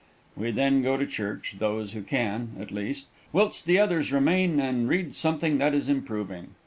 We then go to church, those who can, at least, whilst the others remain and read something that is improving.